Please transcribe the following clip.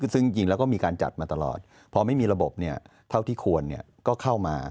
ซึ่งจริงแล้วก็มีการจัดมาตลอดพอไม่มีระบบเท่าที่ควรก็เข้ามา